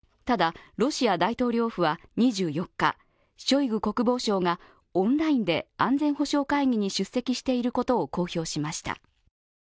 ただ、ロシア大統領府は２４日ショイグ国防相がオンラインで安全保障会議に出席していることを公表しました。